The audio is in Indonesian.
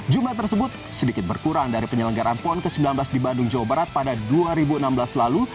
jumlah tersebut sedikit berkurang dari penyelenggaran pon ke sembilan belas di bandung jawa barat pada dua ribu enam belas lalu